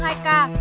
hà nội một ca